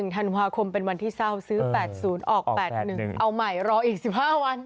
ธันวาคมเป็นวันที่เศร้าซื้อ๘๐ออก๘๑เอาใหม่รออีก๑๕วัน